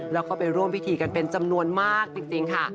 แล้วก็ไปร่วมพิธีกันเป็นจำนวนมากจริงค่ะ